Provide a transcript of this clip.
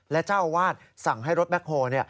และเจ้าวาดสั่งให้รถแม็กโฮล์